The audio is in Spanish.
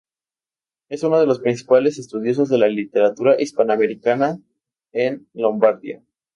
Es uno de los principales estudiosos de la literatura hispanoamericana en Lombardía.